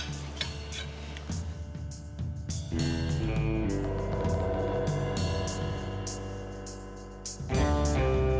ini si neng orok